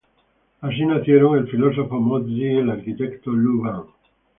Ahí nacieron el filósofo Mozi y el arquitecto Lu Ban.